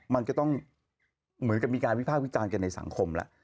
มันก็ต้องเหมือนกับมีการวิภาควิจารณ์กันในสังคมแล้ว